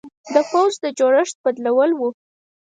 د پوځ د جوړښت بدلول و.